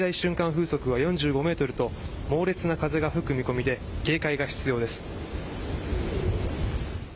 風速は４５メートルと猛烈な風が吹く見込みで警戒が必要です。